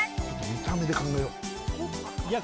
見た目で考えよういや